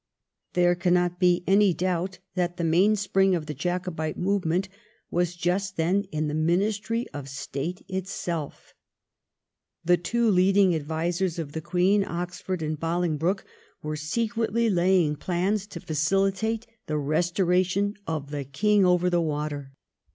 There cannot be any doubt that the main spring of the Jacobite movement was just then in the Ministry of State itself. The two leading advisers of the Queen, Oxford and Bolingbroke, were secretly laying plans to facilitate the restoration of ' the King over the water.'